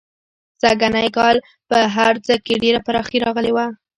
سږنی کال په هر څه کې ډېره پراخي راغلې وه.